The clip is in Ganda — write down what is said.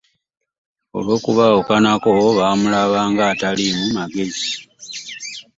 Olwokubawukanako, bamulaba nga ataliimu magezi .